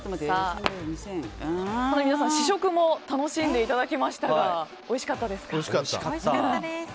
皆さん、試食も楽しんでいただけましたがおいしかったです！